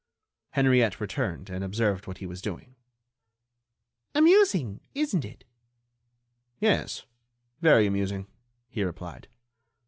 Henriette returned and observed what he was doing. "Amusing, isn't it?" "Yes, very amusing," he replied.